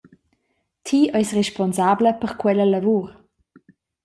Ti eis responsabla per quella lavur.